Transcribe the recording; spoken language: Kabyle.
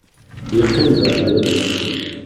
Yeqqim d rray-is.